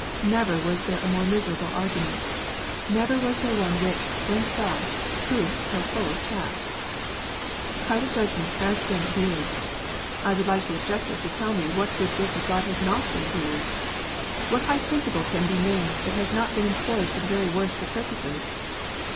Never was there a more miserable argument ! Never was there one which, when thrashed, proves so full of chaff ! Private judgment lias been abused! I would like the objector to tell me what good gift of God has not been abused ? What high principle can be named that has not been employed for the very worst of purposes